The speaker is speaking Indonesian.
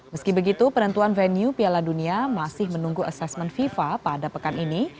meski begitu penentuan venue piala dunia masih menunggu asesmen fifa pada pekan ini